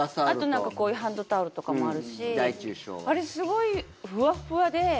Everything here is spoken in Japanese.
あとなんかこういうハンドタオルとかもあるしあれすごいふわふわで。